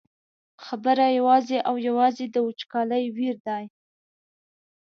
خبره یوازې او یوازې د وچکالۍ ویر دی.